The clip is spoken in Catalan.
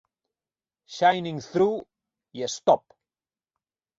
"Shining Through" i "Stop!